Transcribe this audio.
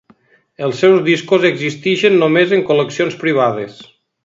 Els seus discos existeixen només en col·leccions privades.